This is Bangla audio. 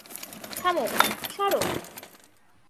থামো, সরো!